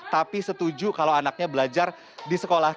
tapi setuju kalau anaknya belajar di sekolah